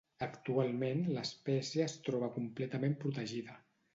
Actualment, l'espècie es troba completament protegida.